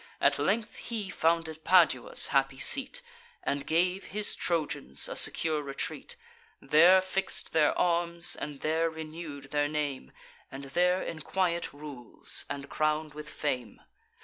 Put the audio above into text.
At length he founded Padua's happy seat, And gave his Trojans a secure retreat; There fix'd their arms, and there renew'd their name, And there in quiet rules, and crown'd with fame.